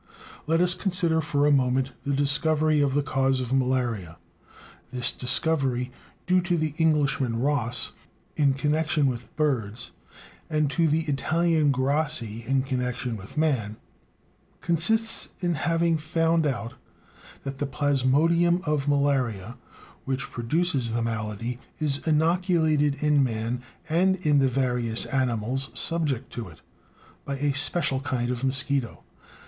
Let us consider for a moment the discovery of the cause of malaria. This discovery, due to the Englishman, Ross, in connection with birds, and to the Italian, Grassi, in connection with man, consists in having found out that the plasmodium of malaria, which produces the malady, is inoculated in man and in the various animals subject to it, by a special kind of mosquito.